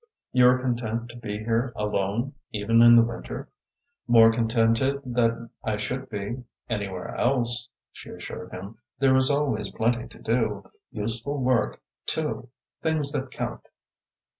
"You are content to be here alone, even in the winter?" "More contented than I should be anywhere else," she assured him. "There is always plenty to do, useful work, too things that count."